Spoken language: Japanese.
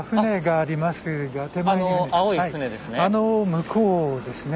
あの向こうですね。